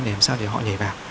để làm sao để họ nhảy vào